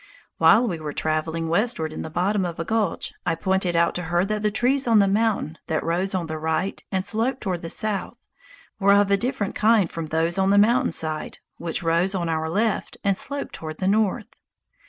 While we were traveling westward in the bottom of a gulch, I pointed out to her that the trees on the mountain that rose on the right and sloped toward the south were of a different kind from those on the mountain side which rose on our left and sloped toward the north.